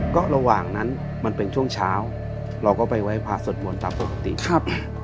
ก็ระหว่างนั้นมันเป็นช่วงเช้าเราก็ไปไว้พระสวดมนต์ตามปกติครับ